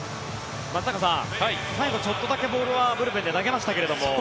松坂さん、最後ちょっとだけボールはブルペンで投げましたが。